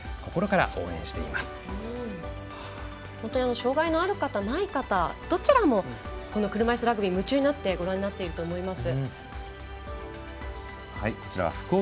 障害のある方ない方どちらも車いすラグビー、夢中になってご覧になっていると思います。